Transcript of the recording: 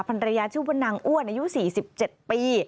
ภรรยาชื่อว่านางอ้วนอายุ๔๗ปี